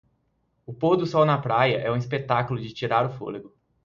O pôr do sol na praia é um espetáculo de tirar o fôlego.